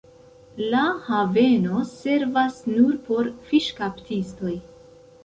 La haveno servas nur por fiŝkaptistoj.